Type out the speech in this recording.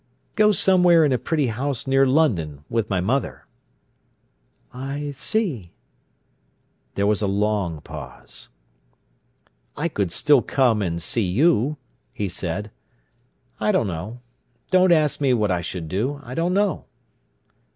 "Go somewhere in a pretty house near London with my mother." "I see." There was a long pause. "I could still come and see you," he said. "I don't know. Don't ask me what I should do; I don't know."